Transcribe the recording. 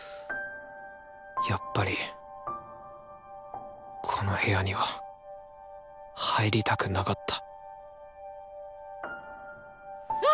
やっぱりこの部屋には入りたくなかったあ！